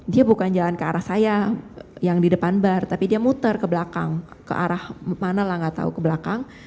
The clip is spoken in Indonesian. dia bukan jalan ke arah saya yang di depan bar tapi dia muter ke belakang ke arah mana lah nggak tahu ke belakang